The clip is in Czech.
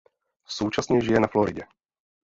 Současně žije na Floridě.